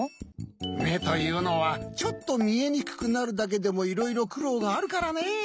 めというのはちょっとみえにくくなるだけでもいろいろくろうがあるからね。